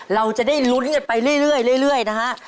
เราจะได้ลุ้นกันไปเรื่อยนะฮะ